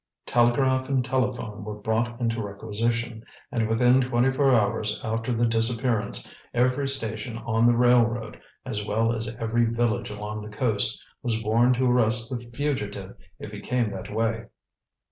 Telegraph and telephone were brought into requisition, and within twenty four hours after the disappearance every station on the railroad, as well as every village along the coast, was warned to arrest the fugitive if he came that way.